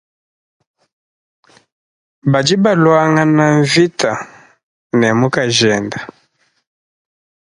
Badi baluangana mvita ne mukajende.